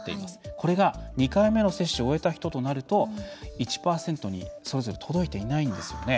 これが、２回目の接種を終えた人となると、１％にそれぞれ届いていないんですよね。